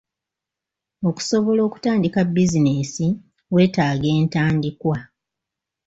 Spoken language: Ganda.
Okusobola okutandika bizinensi weetaaga entandikwa.